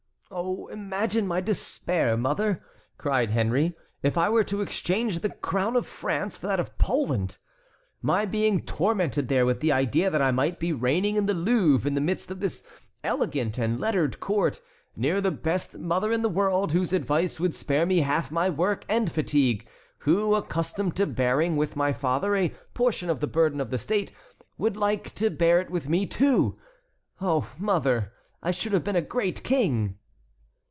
"Oh, imagine my despair, mother," cried Henry, "if I were to exchange the crown of France for that of Poland! My being tormented there with the idea that I might be reigning in the Louvre in the midst of this elegant and lettered court, near the best mother in the world, whose advice would spare me half my work and fatigue, who, accustomed to bearing, with my father, a portion of the burden of the State, would like to bear it with me too! Ah, mother, I should have been a great king!"